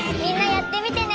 やってみてね！